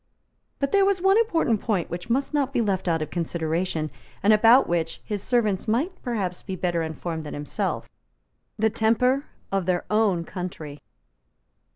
But there was one important point which must not be left out of consideration, and about which his servants might perhaps be better informed than himself, the temper of their own country.